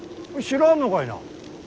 知らんのかいな。